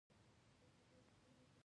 ړانده ته رخس مه کوه